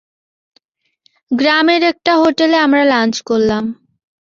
গ্রামের একটা হোটেলে আমরা লাঞ্চ করলাম।